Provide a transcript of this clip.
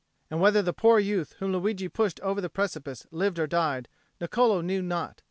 And whether the poor youth whom Luigi pushed over the precipice lived or died, Niccolo knew not.